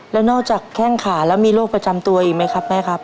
แล้วนอกจากแข้งขาแล้วมีโรคประจำตัวอีกไหมครับแม่ครับ